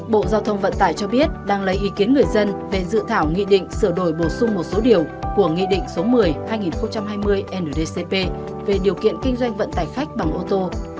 bộ giao thông vận tải cho biết đang lấy ý kiến người dân về dự thảo nghị định sửa đổi bổ sung một số điều của nghị định số một mươi hai nghìn hai mươi ndcp về điều kiện kinh doanh vận tải khách bằng ô tô